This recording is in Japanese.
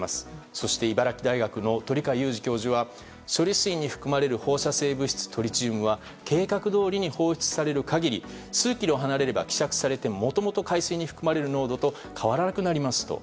そして、茨城大学の鳥養祐二教授は処理水に含まれる放射性物質のトリチウムは計画どおりに放出される限り数キロ離れれば希釈されて、もともと海水に含まれる濃度と変わらなくなりますと。